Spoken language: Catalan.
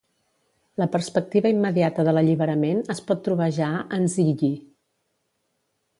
La perspectiva immediata de l'alliberament es pot trobar ja en Zhìyì.